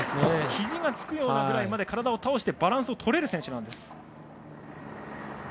ひじがつくようなくらいまで体を倒してバランスを取れる選手なんです。